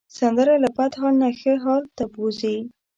سندره له بد حال نه ښه حال ته بوځي